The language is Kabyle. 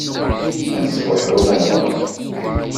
Ad nesbuḥru ma nebɣa.